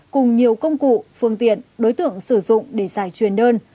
cùng nhiều công cụ phương tiện đối tượng sử dụng để giải truyền đơn